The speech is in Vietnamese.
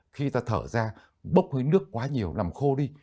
khi ta thở ra bốc hơi nước quá nhiều làm khô đi